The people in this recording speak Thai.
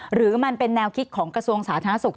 หรือมันเป็นแนวคิดของกระทรวงสาธารณสุข